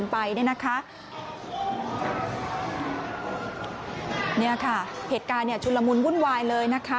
นี่ค่ะเหตุการณ์ชุนละมุนวุ่นวายเลยนะคะ